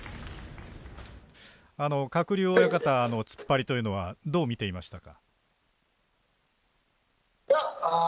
鶴竜親方の突っ張りというのはどう見ていましたか。